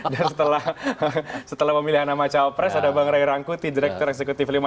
dan setelah memilih nama cawapres ada bang ray rangkuti direktur eksekutif lima